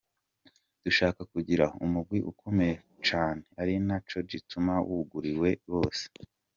"Dushaka kugira umugwi ukomeye cane ari na co gituma wugururiwe bose.